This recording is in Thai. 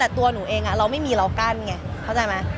แต่ตัวหนูเองเราไม่มีเรากั้นไงเข้าใจไหม